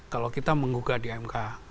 kalau kita menggugah di mk